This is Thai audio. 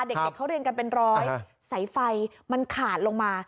เด็กเขาเรียนกันเป็นร้อยสายไฟมันขาดลงมา